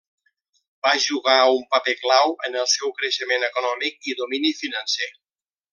Va jugar un paper clau en el seu creixement econòmic i domini financer.